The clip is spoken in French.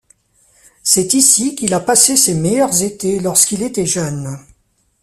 C’est ici qu’il a passé ses meilleurs étés lorsqu’il était jeune.